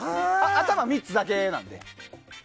頭３つだけなんで。